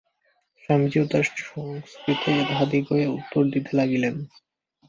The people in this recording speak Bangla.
স্বামীজীও সংস্কৃতেই তাঁহাদিগকে উত্তর দিতে লাগিলেন।